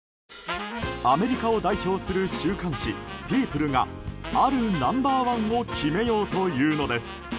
アメリカを代表する週刊誌「Ｐｅｏｐｌｅ」があるナンバー１を決めようというのです。